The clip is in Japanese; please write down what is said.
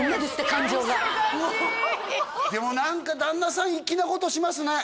感情が忙しいでも何か旦那さん粋なことしますね